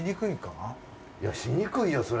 いやしにくいよ。